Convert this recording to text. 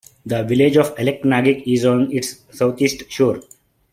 The village of Aleknagik is on its southeast shore.